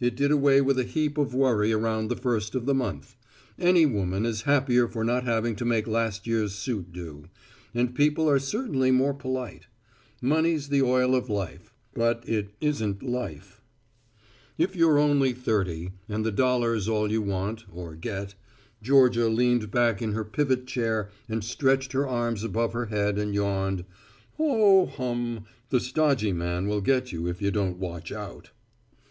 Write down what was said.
It did away with a heap of worry around the first of the month; any woman is happier for not having to make last year's suit do; and people are certainly more polite. Money's the oil of life. But it isn't life. If you're only thirty, and the dollar's all you want, or get Georgia leaned back in her pivot chair and stretched her arms above her head and yawned, ho ho hum, the stodgy man will get you if you don't watch out.